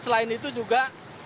selain itu juga